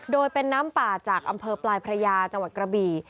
โดยเป็นน้ำป่าจากอำเภอปลายพระยาจังหวัดกระบี่